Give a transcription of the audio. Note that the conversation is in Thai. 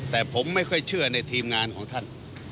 แต่ผมไม่ค่อยเชื่อในทีมงานของท่าน